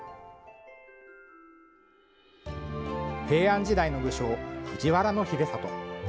平安時代の武将、藤原秀郷。